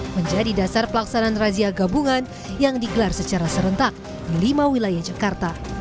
menjadi dasar pelaksanaan razia gabungan yang digelar secara serentak di lima wilayah jakarta